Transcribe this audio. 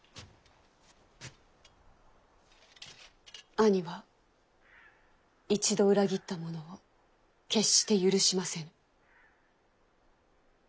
兄は一度裏切った者を決して許しませぬ。